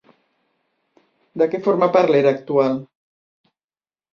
De què forma part l'era actual?